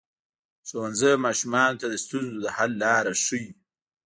ښوونځی ماشومانو ته د ستونزو د حل لاره ښيي.